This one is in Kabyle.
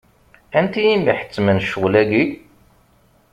Anti i m-iḥettmen ccɣel-agi?